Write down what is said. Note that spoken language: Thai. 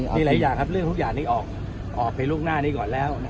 มีหลายอย่างครับเรื่องทุกอย่างนี้ออกไปล่วงหน้านี้ก่อนแล้ว